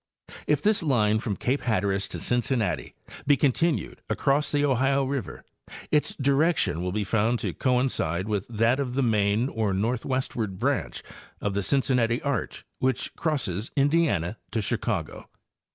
If this line from cape Hatteras to Cin cinnati be continued across the Ohio river its direction will be found to coincide with that of the main or northwestward branch of the Cincinnati arch which crosses Indiana to Chicago.